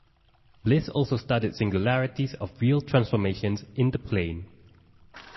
Bliss also studied singularities of real transformations in the plane.